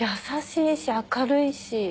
優しいし明るいし。